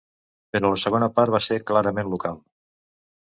Però la segona part va ser clarament local.